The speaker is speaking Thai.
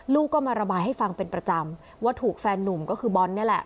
ลูกก็มาระบายให้ฟังเป็นประจำว่าถูกแฟนนุ่มก็คือบอลนี่แหละ